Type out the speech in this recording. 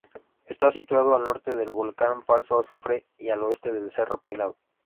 Está situado al norte del Volcán Falso Azufre y al oeste del cerro Peinado.